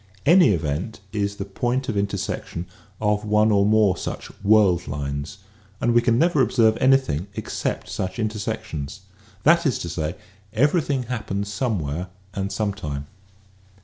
Any event is the point of intersection of one or more such world lines and we can never observe anything except such intersections. That is to say, everything happens somewhere and some time.